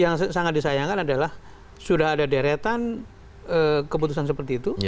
yang sangat disayangkan adalah sudah ada deretan keputusan seperti itu